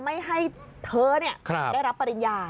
ไม่ให้เธอได้รับปริญญา